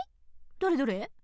どれどれ。